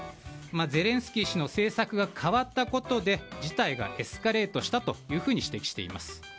ゼレンスキー氏の政策が変わったことで事態がエスカレートとしたというふうに指摘しています。